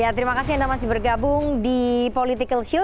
ya terima kasih anda masih bergabung di politik ordisio